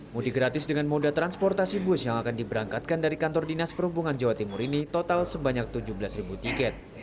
mudik gratis dengan moda transportasi bus yang akan diberangkatkan dari kantor dinas perhubungan jawa timur ini total sebanyak tujuh belas tiket